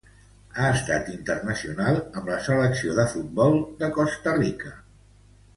Ha estat internacional amb la selecció de futbol de Costa Rica.